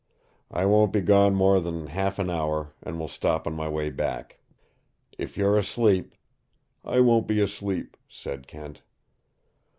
I won't be gone more than half an hour and will stop on my way back. If you're asleep " "I won't be asleep," said Kent.